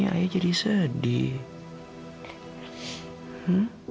ayah jadi sedih